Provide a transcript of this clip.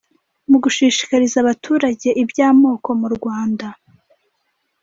mu gushishikariza abaturage iby amoko mu rwanda